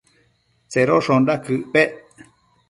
Tsedoshonda quëc pec?